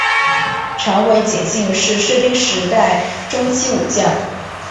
长尾景信是室町时代中期武将。